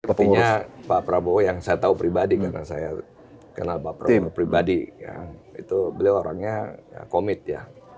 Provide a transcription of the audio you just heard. sepertinya pak prabowo yang saya tahu pribadi karena saya kenal bapak pribadi itu beliau orangnya komit ya